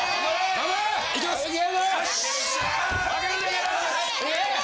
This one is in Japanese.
頑張れ！